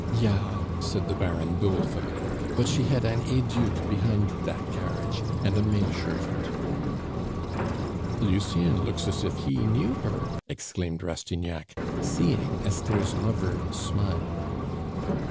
"Ja," said the Baron dolefully; "but she had ein heiduque behind dat carriage and a maid shervant " "Lucien looks as if he knew her," exclaimed Rastignac, seeing Esther's lover smile.